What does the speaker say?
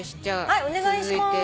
はいお願いします。